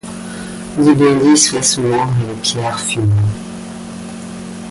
Du bandit soit sous l'ombre et les pierres fumant !